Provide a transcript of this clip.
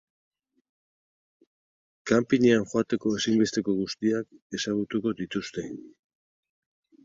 Kanpinean joateko ezinbesteko guztiak ezagutuko dituzte.